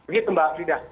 begitu mbak frida